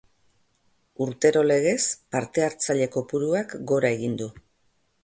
Urtero legez, parte-hartzaile kopuruak gora egin du.